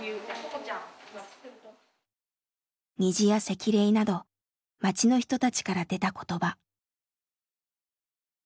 「虹」や「せきれい」など町の人たちから出た言葉。